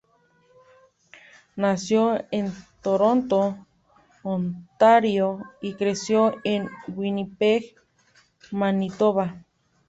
Nació en Toronto, Ontario, y creció en Winnipeg, Manitoba.